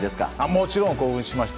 もちろん興奮しました。